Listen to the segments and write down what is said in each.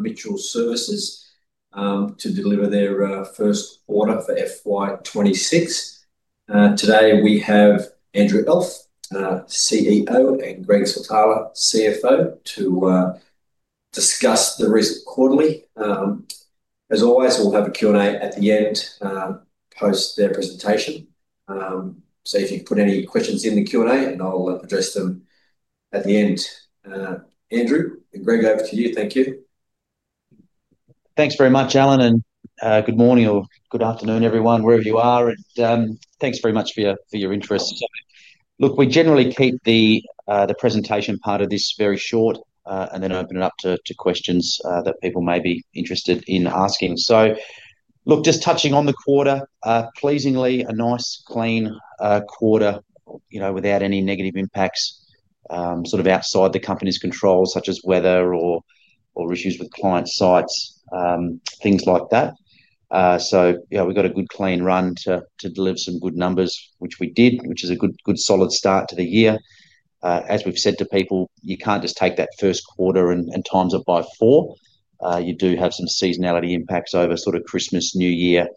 Mitchell Services, to deliver their first quarter for FY 2026. Today we have Andrew Elf, CEO, and Greg Switala, CFO, to discuss the risk quarterly. As always, we'll have a Q&A at the end, post their presentation. If you can put any questions in the Q&A, I'll address them at the end. Andrew and Greg, over to you. Thank you. Thanks very much, Allen, and good morning or good afternoon, everyone, wherever you are. Thanks very much for your interest. We generally keep the presentation part of this very short and then open it up to questions that people may be interested in asking. Just touching on the quarter, pleasingly a nice, clean quarter without any negative impacts outside the company's control, such as weather or issues with client sites, things like that. We got a good clean run to deliver some good numbers, which we did, which is a good, solid start to the year. As we've said to people, you can't just take that first quarter and times it by four. You do have some seasonality impacts over Christmas, New Year,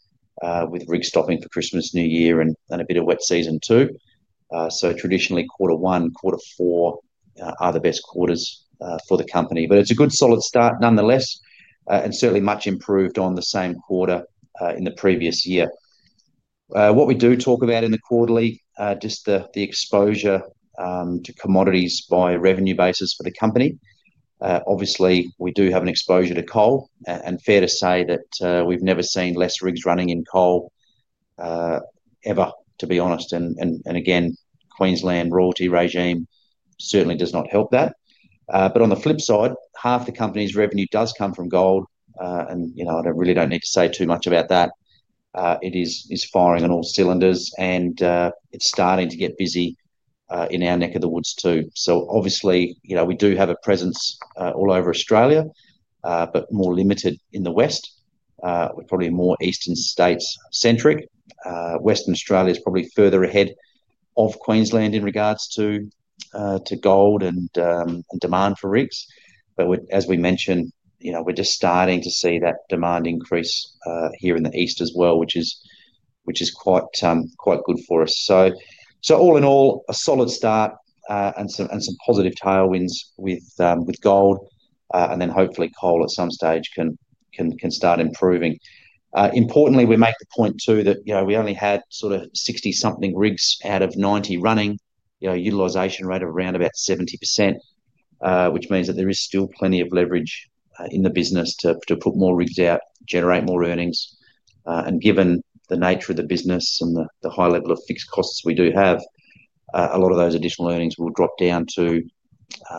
with rigs stopping for Christmas, New Year, and a bit of wet season too. Traditionally, quarter one and quarter four are the best quarters for the company. It's a good solid start nonetheless, and certainly much improved on the same quarter in the previous year. What we do talk about in the quarterly is just the exposure to commodities by revenue basis for the company. Obviously, we do have an exposure to coal, and fair to say that we've never seen less rigs running in coal, ever, to be honest. Queensland royalty regime certainly does not help that. On the flip side, half the company's revenue does come from gold, and I really don't need to say too much about that. It is firing on all cylinders, and it's starting to get busy in our neck of the woods too. Obviously, we do have a presence all over Australia, but more limited in the West. We're probably more Eastern States centric. Western Australia is probably further ahead of Queensland in regards to gold and demand for rigs. As we mentioned, we're just starting to see that demand increase here in the East as well, which is quite good for us. All in all, a solid start and some positive tailwinds with gold, and hopefully coal at some stage can start improving. Importantly, we make the point too that we only had sort of 60-something rigs out of 90 running, utilization rate of around about 70%, which means that there is still plenty of leverage in the business to put more rigs out, generate more earnings. Given the nature of the business and the high level of fixed costs we do have, a lot of those additional earnings will drop down to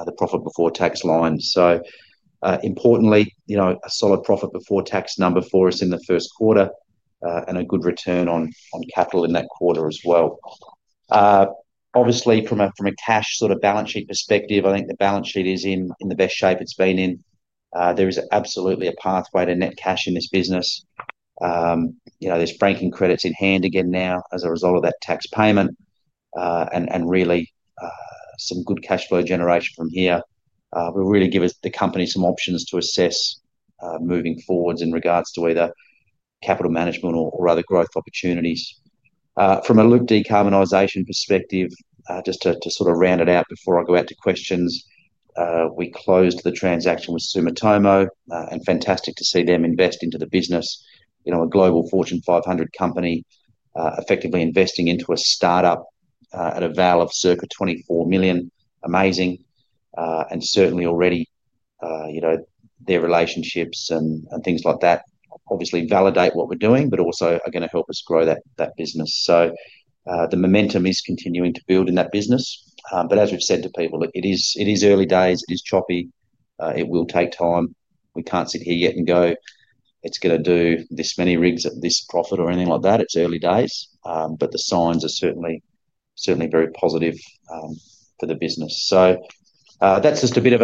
the profit before tax line. Importantly, a solid profit before tax number for us in the first quarter and a good return on capital in that quarter as well. Obviously, from a cash sort of balance sheet perspective, I think the balance sheet is in the best shape it's been in. There is absolutely a pathway to net cash in this business. There are franking credits in hand again now as a result of that tax payment, and really, some good cash flow generation from here will really give the company some options to assess moving forward in regards to either capital management or other growth opportunities. From a decarbonization perspective, just to round it out before I go out to questions, we closed the transaction with Sumitomo, and fantastic to see them invest into the business. A global Fortune 500 company, effectively investing into a startup, at a value of circa $24 million. Amazing. Certainly already, their relationships and things like that obviously validate what we're doing, but also are going to help us grow that business. The momentum is continuing to build in that business. As we've said to people, it is early days, it is choppy, it will take time. We can't sit here yet and go, it's going to do this many rigs at this profit or anything like that. It's early days, but the signs are certainly very positive for the business. That's just a bit of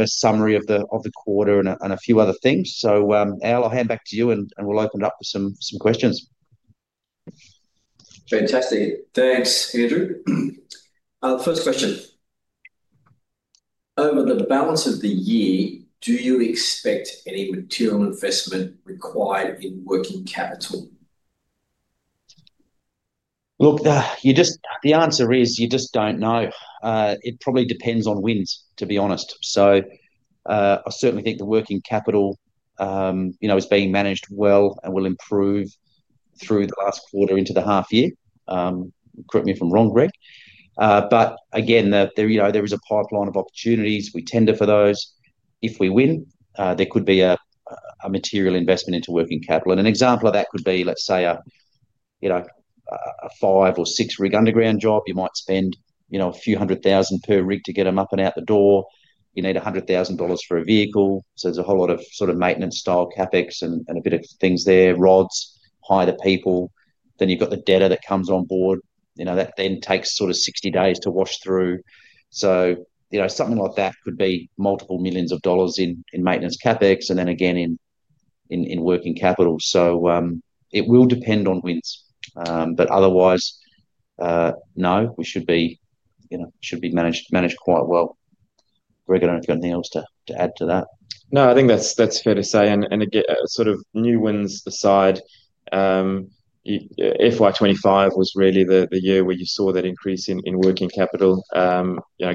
a summary of the quarter and a few other things. Al, I'll hand back to you and we'll open it up to some questions. Fantastic. Thanks, Andrew. First question. Over the balance of the year, do you expect any material investment required in working capital? Look, the answer is you just don't know. It probably depends on wins, to be honest. I certainly think the working capital is being managed well and will improve through the last quarter into the half year. Correct me if I'm wrong, Greg. There is a pipeline of opportunities. We tender for those. If we win, there could be a material investment into working capital. An example of that could be, let's say, a five or six-rig underground job. You might spend a few hundred thousand per rig to get them up and out the door. You need $100,000 for a vehicle. There's a whole lot of maintenance style CapEx and a bit of things there, rods, hire the people. Then you've got the debtor that comes on board. That then takes 60 days to wash through. Something like that could be multiple millions of dollars in maintenance CapEx and then again in working capital. It will depend on wins. Otherwise, no, we should be managed quite well. Greg, I don't think I've got anything else to add to that. No, I think that's fair to say. Again, sort of new wins aside, FY 2025 was really the year where you saw that increase in working capital,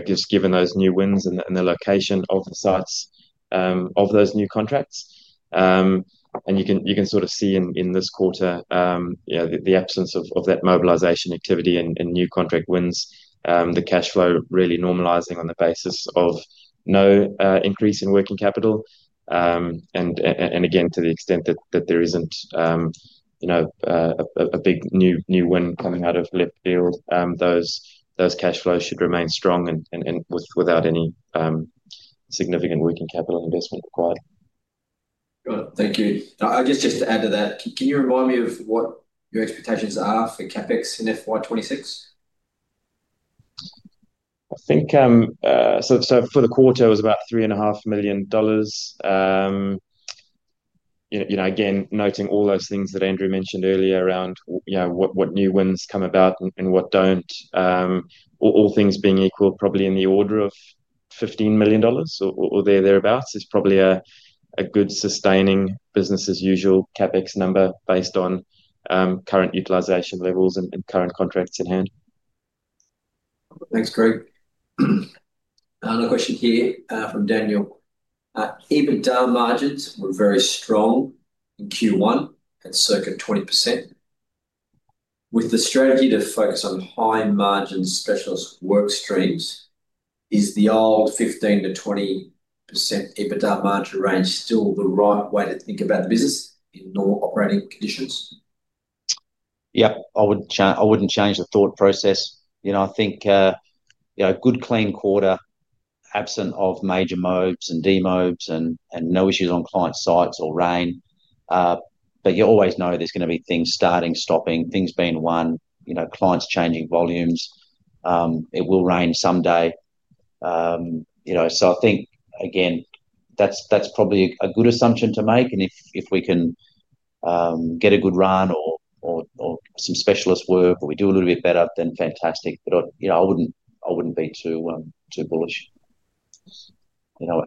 just given those new wins and the location of the sites of those new contracts. You can sort of see in this quarter, the absence of that mobilization activity and new contract wins, the cash flow really normalizing on the basis of no increase in working capital. Again, to the extent that there isn't a big new win coming out of left field, those cash flows should remain strong and without any significant working capital investment required. Thank you. I guess just to add to that, can you remind me of what your expectations are for CapEx in FY 2026? I think for the quarter, it was about $3.5 million. Again, noting all those things that Andrew mentioned earlier around what new wins come about and what don't, all things being equal, probably in the order of $15 million or thereabouts is probably a good sustaining business as usual CapEx number based on current utilization levels and current contracts at hand. Thanks, Greg. Another question here from Daniel. EBITDA margins were very strong in Q1 at circa 20%. With the strategy to focus on high margin specialist work streams, is the old 15%-20% EBITDA margin range still the right way to think about the business in normal operating conditions? Yep. I wouldn't change the thought process. I think a good clean quarter absent of major mobs and D-mobs and no issues on client sites or rain. You always know there's going to be things starting, stopping, things being won, clients changing volumes. It will rain someday. I think, again, that's probably a good assumption to make. If we can get a good run or some specialist work or we do a little bit better, then fantastic. I wouldn't be too, too bullish.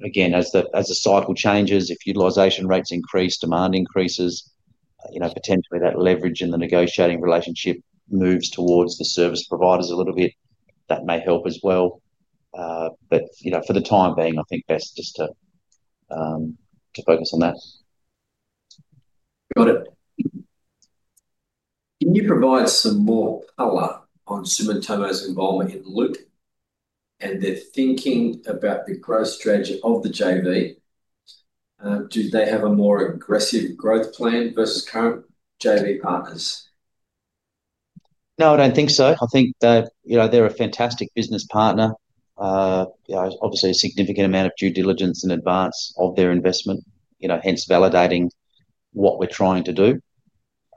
Again, as the cycle changes, if utilization rates increase, demand increases, potentially that leverage in the negotiating relationship moves towards the service providers a little bit, that may help as well. For the time being, I think best just to focus on that. Got it. Can you provide some more color on Sumitomo's involvement in Luke and their thinking about the growth strategy of the JV? Do they have a more aggressive growth plan versus current JV partners? No, I don't think so. I think that, you know, they're a fantastic business partner. Obviously, a significant amount of due diligence in advance of their investment, hence validating what we're trying to do.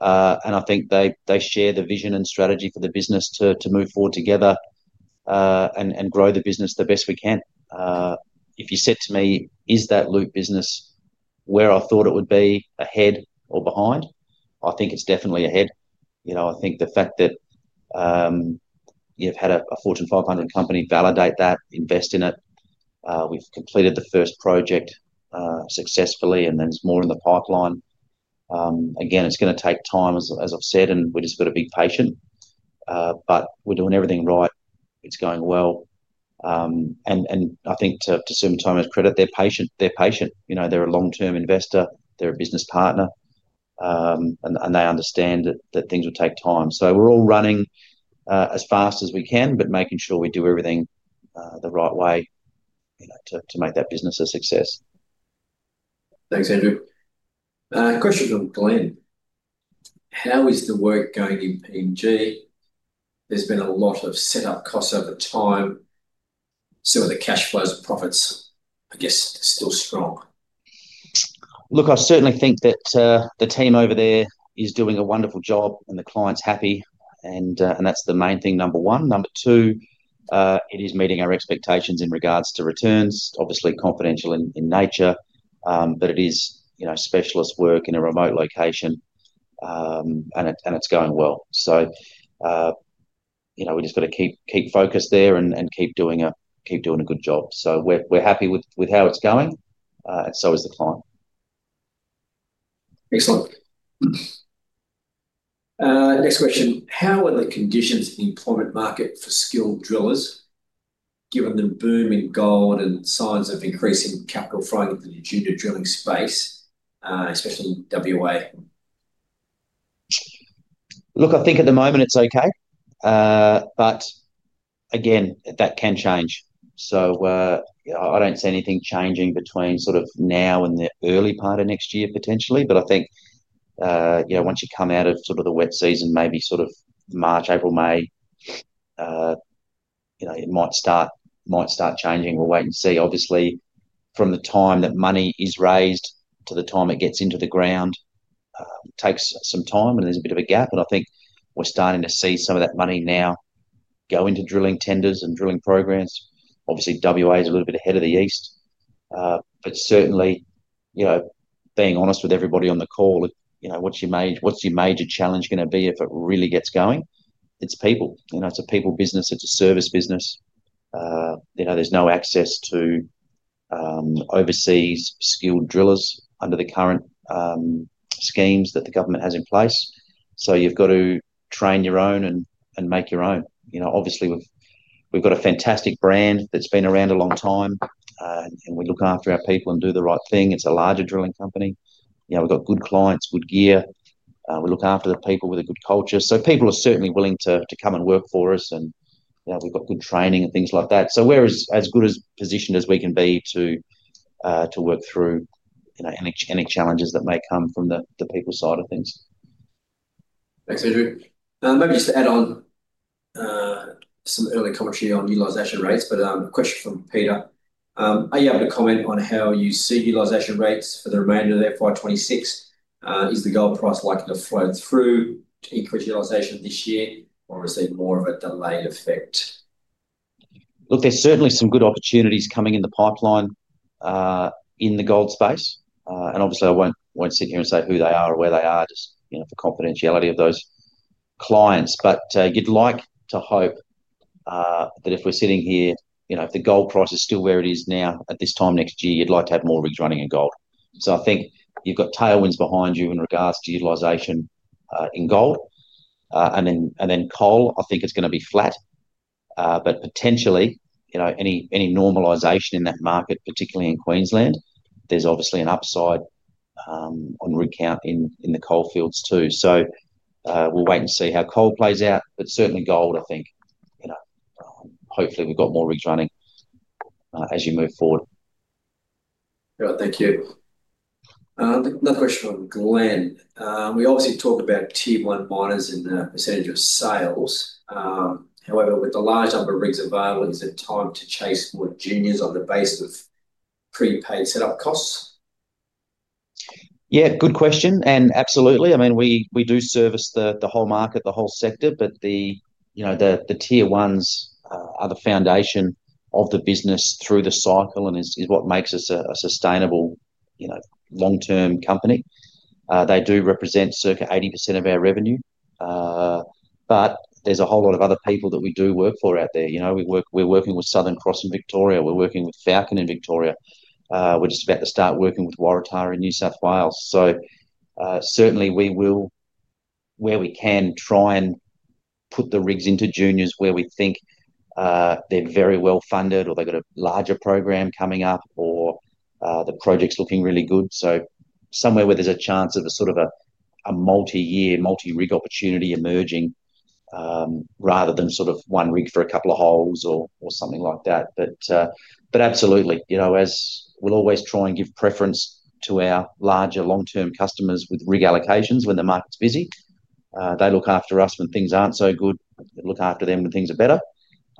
I think they share the vision and strategy for the business to move forward together and grow the business the best we can. If you said to me, is that joint venture business where I thought it would be, ahead or behind? I think it's definitely ahead. I think the fact that you've had a Fortune 500 company validate that, invest in it. We've completed the first project successfully, and there's more in the pipeline. Again, it's going to take time, as I've said, and we've just got to be patient. We're doing everything right. It's going well. I think to Sumitomo's credit, they're patient. They're patient. They're a long-term investor. They're a business partner, and they understand that things will take time. We're all running as fast as we can, but making sure we do everything the right way to make that business a success. Thanks, Andrew. Question from Glen. How is the work going in PNG? There's been a lot of setup costs over time. Some of the cash flows or profits, I guess, are still strong. I certainly think that the team over there is doing a wonderful job and the client's happy. That's the main thing, number one. Number two, it is meeting our expectations in regards to returns, obviously confidential in nature. It is specialist work in a remote location and it's going well. We just have to keep focused there and keep doing a good job. We're happy with how it's going and so is the client. Excellent. Next question. How are the conditions in the employment market for skilled drillers, given the boom in gold and signs of increasing capital flow to the New Guinea drilling space, especially WA? Look, I think at the moment it's okay, but again, that can change. I don't see anything changing between sort of now and the early part of next year, potentially. I think, you know, once you come out of sort of the wet season, maybe sort of March, April, May, you know, it might start changing. We'll wait and see. Obviously, from the time that money is raised to the time it gets into the ground, it takes some time and there's a bit of a gap. I think we're starting to see some of that money now go into drilling tenders and drilling programs. Obviously, WA is a little bit ahead of the East, but certainly, you know, being honest with everybody on the call, you know, what's your major challenge going to be if it really gets going? It's people. You know, it's a people business. It's a service business. You know, there's no access to overseas skilled drillers under the current schemes that the government has in place. You've got to train your own and make your own. Obviously, we've got a fantastic brand that's been around a long time, and we look after our people and do the right thing. It's a larger drilling company. We've got good clients, good gear. We look after the people with a good culture, so people are certainly willing to come and work for us. You know, we've got good training and things like that, so we're as good as positioned as we can be to work through any challenges that may come from the people side of things. Thanks, Andrew. Maybe just to add on, some early commentary on utilization rates. A question from Peter: are you able to comment on how you see utilization rates for the remainder of the FY 2026? Is the gold price likely to float through to increase utilization this year or is it more of a delayed effect? Look, there's certainly some good opportunities coming in the pipeline in the gold space. Obviously, I won't sit here and say who they are or where they are, just, you know, for confidentiality of those clients. You'd like to hope that if we're sitting here, you know, if the gold price is still where it is now at this time next year, you'd like to have more rigs running in gold. I think you've got tailwinds behind you in regards to utilization in gold. Then coal, I think it's going to be flat, but potentially, you know, any normalization in that market, particularly in Queensland, there's obviously an upside on rig count in the coal fields too. We'll wait and see how coal plays out, but certainly gold, I think, you know, hopefully we've got more rigs running as we move forward. All right, thank you. Another question from Glen. We obviously talk about Tier 1 miners in the percentage of sales. However, with the large number of rigs available, is it time to chase more juniors on the basis of prepaid setup costs? Yeah, good question. Absolutely. I mean, we do service the whole market, the whole sector, but the Tier 1's are the foundation of the business through the cycle and is what makes us a sustainable, long-term company. They do represent circa 80% of our revenue, but there's a whole lot of other people that we do work for out there. You know, we're working with Southern Cross in Victoria. We're working with Falcon in Victoria. We're just about to start working with Waratah in New South Wales. Certainly, we will, where we can, try and put the rigs into juniors where we think they're very well-funded or they've got a larger program coming up or the project's looking really good. Somewhere where there's a chance of a sort of multi-year, multi-rig opportunity emerging, rather than sort of one rig for a couple of holes or something like that. Absolutely, as we'll always try and give preference to our larger long-term customers with rig allocations when the market's busy. They look after us when things aren't so good. We look after them when things are better.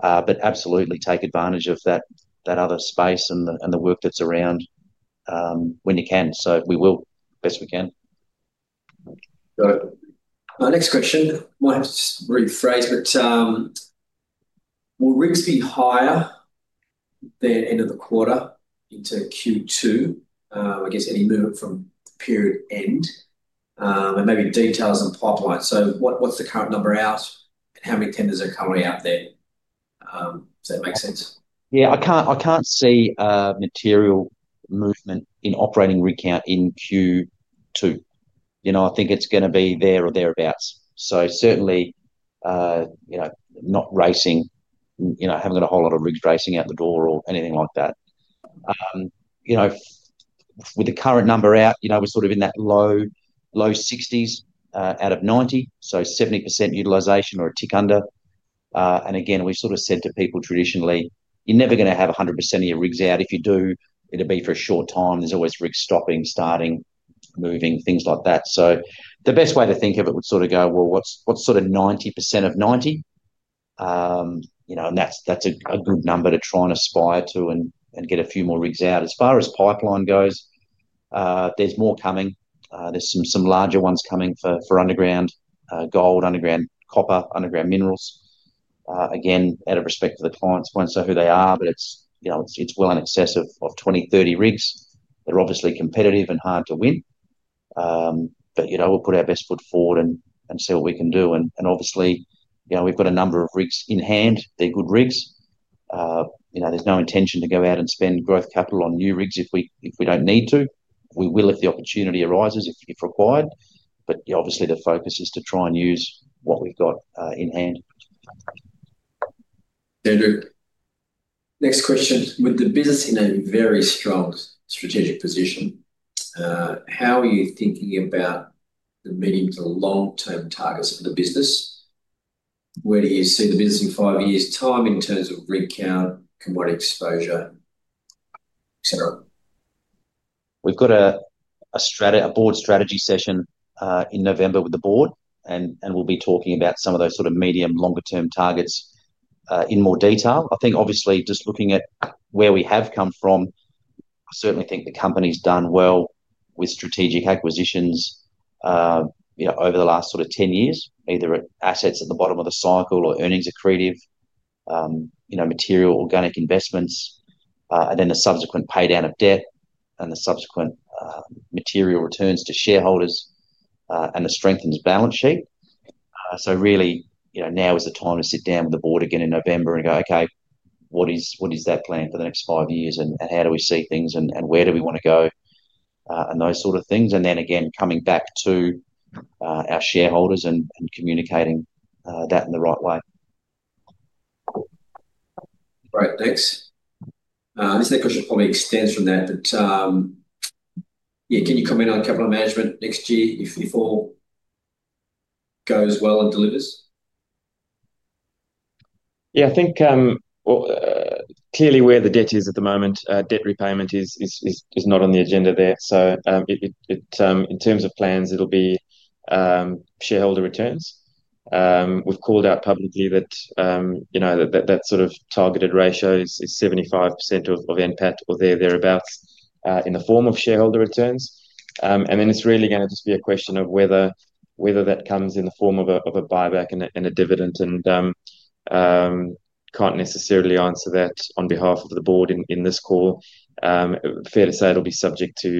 Absolutely take advantage of that other space and the work that's around, when you can. We will, best we can. Got it. My next question, I might have to just rephrase, but will rigs be higher at the end of the quarter into Q2? I guess any movement from period end, and maybe detail as a pipeline. What’s the current number of hours and how many tenders are coming out there? Does that make sense? Yeah, I can't see material movement in operating rig count in Q2. I think it's going to be there or thereabouts. Certainly, not racing, haven't got a whole lot of rigs racing out the door or anything like that. With the current number out, we're sort of in that low 60s, out of 90. So 70% utilization or a tick under. Again, we sort of said to people traditionally, you're never going to have 100% of your rigs out. If you do, it'll be for a short time. There's always rigs stopping, starting, moving, things like that. The best way to think of it would sort of go, what's 90% of 90? That's a good number to try and aspire to and get a few more rigs out. As far as pipeline goes, there's more coming. There's some larger ones coming for underground, gold, underground copper, underground minerals. Out of respect for the clients, won't say who they are, but it's well in excess of 20, 30 rigs that are obviously competitive and hard to win. We'll put our best foot forward and see what we can do. Obviously, we've got a number of rigs in hand. They're good rigs. There's no intention to go out and spend growth capital on new rigs if we don't need to. We will if the opportunity arises, if required. Obviously, the focus is to try and use what we've got in hand. Next question. With the business in a very strong strategic position, how are you thinking about the medium to long-term targets for the business? Where do you see the business in five years' time in terms of rig count and what exposure? We've got a board strategy session in November with the board, and we'll be talking about some of those sort of medium longer-term targets in more detail. I think obviously just looking at where we have come from, I certainly think the company's done well with strategic acquisitions over the last sort of 10 years, either assets at the bottom of the cycle or earnings accretive, material organic investments, and then the subsequent paydown of debt and the subsequent material returns to shareholders, and the strengthened balance sheet. Really, now is the time to sit down with the board again in November and go, okay, what is that plan for the next five years and how do we see things and where do we want to go, and those sort of things. Then again, coming back to our shareholders and communicating that in the right way. All right, thanks. This next question probably extends from that, but can you comment on capital management next year if we fall goes well and delivers? Yeah, I think, clearly where the debt is at the moment, debt repayment is not on the agenda there. In terms of plans, it'll be shareholder returns. We've called out publicly that, you know, that sort of targeted ratio is 75% of NPAT or thereabouts, in the form of shareholder returns. Then it's really going to just be a question of whether that comes in the form of a buyback and a dividend. I can't necessarily answer that on behalf of the board in this call. Fair to say it'll be subject to,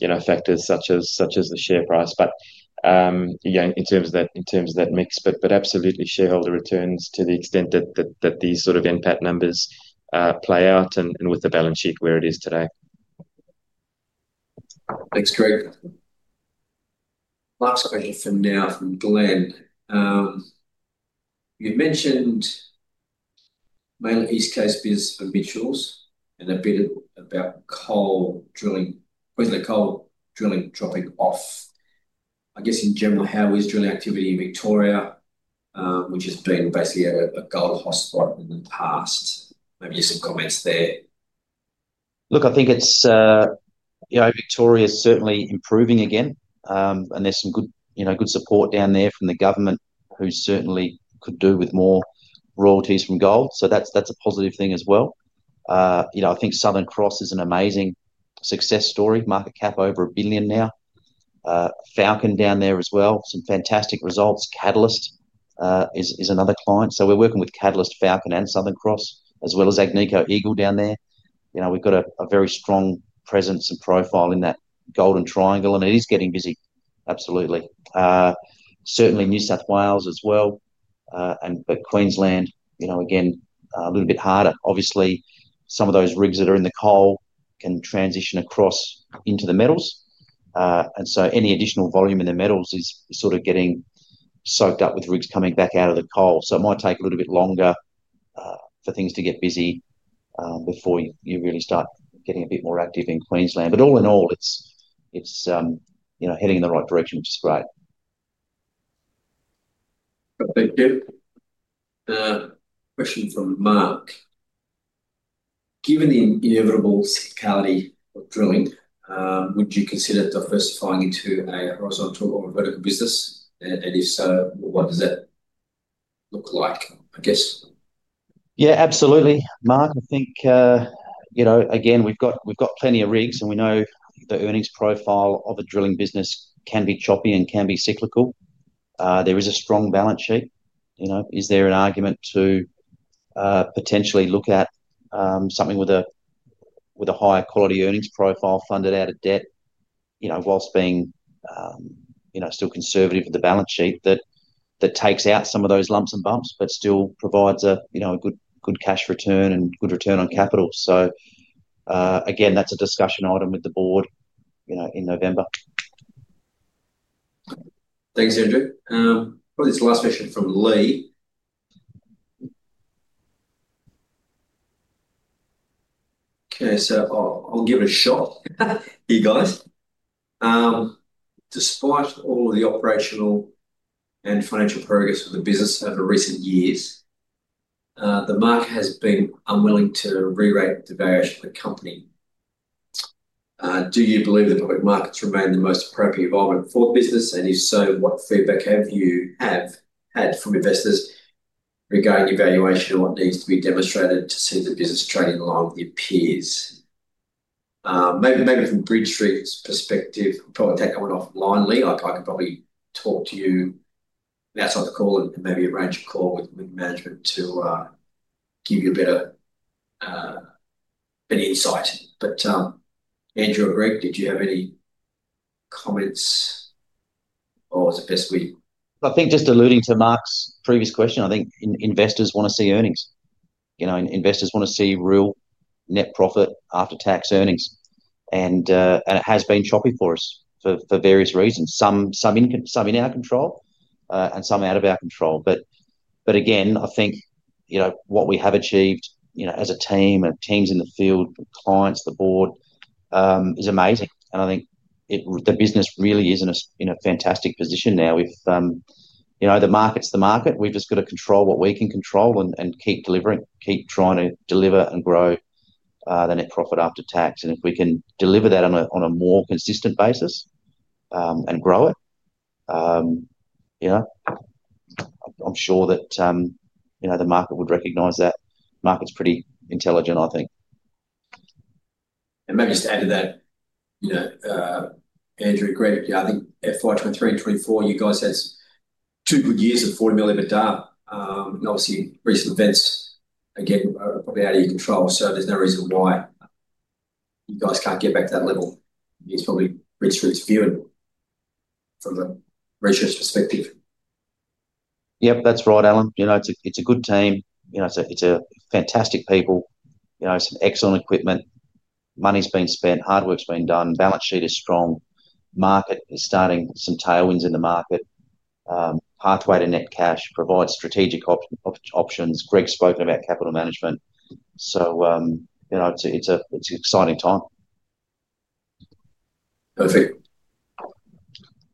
you know, factors such as the share price, in terms of that mix, but absolutely shareholder returns to the extent that these sort of NPAT numbers play out and with the balance sheet where it is today. Thanks, Greg. Last question now from Glen. You mentioned mainly East Coast business as mutuals and a bit about coal drilling. What is the coal drilling topic off? I guess in general, how is drilling activity in Victoria, which has been basically a gold hotspot in the past? Maybe you said comments there. Look, I think it's, you know, Victoria is certainly improving again, and there's some good, you know, good support down there from the government who certainly could do with more royalties from gold. That's a positive thing as well. I think Southern Cross is an amazing success story, market cap over $1 billion now. Falcon down there as well, some fantastic results. Catalyst is another client. We're working with Catalyst, Falcon, and Southern Cross, as well as Agnico Eagle down there. We've got a very strong presence and profile in that golden triangle, and it is getting busy, absolutely. Certainly New South Wales as well, and Queensland, you know, again, a little bit harder. Obviously, some of those rigs that are in the coal can transition across into the metals, and so any additional volume in the metals is sort of getting soaked up with rigs coming back out of the coal. It might take a little bit longer for things to get busy, before you really start getting a bit more active in Queensland. All in all, it's heading in the right direction, which is great. Thank you. Question from Mark. Given the inevitable physicality of drilling, would you consider diversifying into a horizontal or vertical business? If so, what does that look like, I guess? Yeah, absolutely. Mark, I think, you know, again, we've got plenty of rigs and we know the earnings profile of a drilling business can be choppy and can be cyclical. There is a strong balance sheet. You know, is there an argument to potentially look at something with a higher quality earnings profile funded out of debt, you know, whilst being still conservative with the balance sheet that takes out some of those lumps and bumps, but still provides a good cash return and good return on capital. Again, that's a discussion item with the board in November. Thanks, Andrew. Probably this last question from Lee. Okay, so I'll give it a shot, you guys. Despite all of the operational and financial progress of the business over recent years, the market has been unwilling to re-rate the value of the company. Do you believe that the markets remain the most appropriate environment for the business? If so, what feedback have you had from investors regarding the evaluation and what needs to be demonstrated to see the business trading along with your peers? Maybe from Bridge Street's perspective, I'll probably take a one-off line, Lee. I could probably talk to you outside the call and maybe arrange a call with management to give you a better insight. Andrew or Greg, did you have any comments or is it best we. I think just alluding to Mark's previous question, I think investors want to see earnings. You know, investors want to see real Net profit after tax earnings. It has been choppy for us for various reasons, some in our control and some out of our control. I think what we have achieved as a team, teams in the field, clients, the board, is amazing. I think the business really is in a fantastic position now. If the market's the market, we've just got to control what we can control and keep delivering, keep trying to deliver and grow the Net profit after tax. If we can deliver that on a more consistent basis and grow it, I'm sure that the market would recognize that. The market's pretty intelligent, I think. Maybe just to add to that, you know, Andrew, Greg, I think FY 2023 and FY 2024, you guys had two good years of $40 million. Obviously, recent events, again, are probably out of your control. There's no reason why you guys can't get back to that level. It's probably Bridge Street's viewing from the research perspective. Yep, that's right, Allen. It's a good team. It's fantastic people. It's excellent equipment. Money's being spent, hard work's being done, balance sheet is strong. Market is starting some tailwinds in the market. Pathway to net cash provides strategic options. Greg's spoken about capital management. It's an exciting time. Perfect.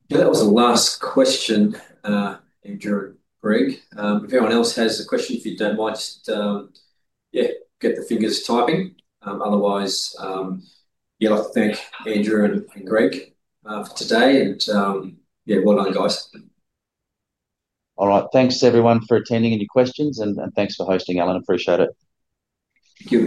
Yeah, that was the last question, Andrew, Greg. If anyone else has a question, if you don't mind, just get the fingers typing. Otherwise, I'll thank Andrew and Greg for today. Yeah, well done, guys. All right, thanks to everyone for attending and your questions, and thanks for hosting, Allen. I appreciate it. Thank you.